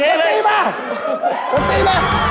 เมื่อไหร่เอาให้น้องตัวหน้าตัว